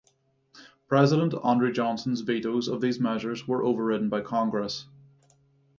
President Andrew Johnson's vetoes of these measures were overridden by Congress.